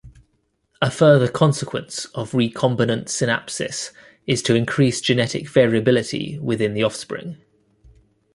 A further consequence of recombinant synapsis is to increase genetic variability within the offspring.